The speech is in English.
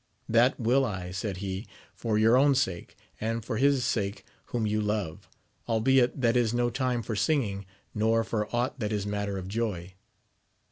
That will I, said he, for your own sake, and for his sake whom you love ; albeit that is no time for singing, nor for aught that is matter of joy.